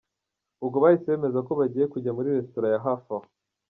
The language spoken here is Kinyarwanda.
Ubwo bahise bemeza ko bagiye kujya muri restaurant ya hafi aho.